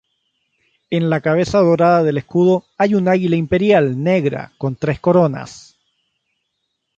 En la cabeza dorada del escudo hay un águila imperial negra con tres coronas"".